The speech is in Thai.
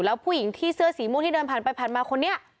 แล้วผู้หญิงที่เสื้อสีม่วงที่เดินผ่านไปผ่านมาคนนี้